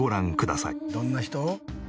どんな人？